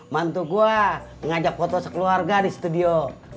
mantu gue ngajak foto sekeluarga di studio